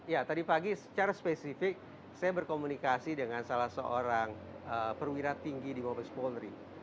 ya tadi pagi secara spesifik saya berkomunikasi dengan salah seorang perwira tinggi di mabes polri